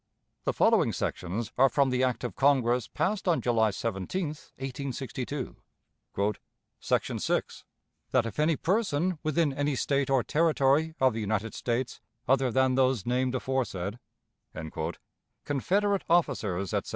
The following sections are from the act of Congress passed on July 17, 1862: "Section 6. That if any person, within any State or Territory of the United States other than those named aforesaid" (Confederate officers, etc.)